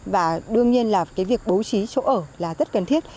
và đương nhiên là cái việc bố trí chỗ ở là rất cần thiết